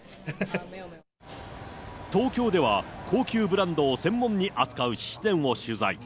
東京では、高級ブランドを専門に扱う質店を取材。